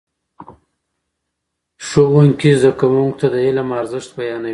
ښوونکي زده کوونکو ته د علم ارزښت بیانوي.